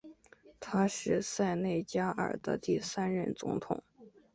他是塞内加尔的第三任总统。